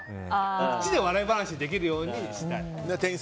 こっちで笑い話にできるようにしたい。